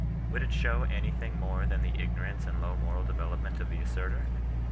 — Would it show any thing more than the ignorance and low moral development of the asserter